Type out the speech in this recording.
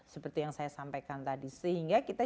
seperti yang saya sampaikan tadi sehingga kita